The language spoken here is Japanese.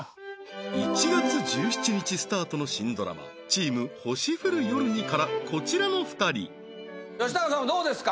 １月１７日スタートの新ドラマチーム星降る夜にからこちらの２人吉高さんはどうですか？